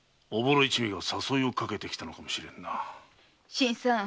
新さん。